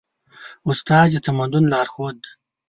استاد د تمدن لارښود دی.